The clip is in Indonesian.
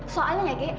soalnya ya gek